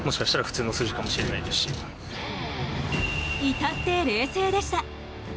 いたって冷静でした。